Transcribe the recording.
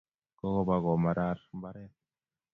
Kokopa komarar mbaret